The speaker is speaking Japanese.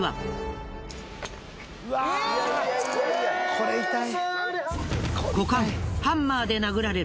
これ痛い。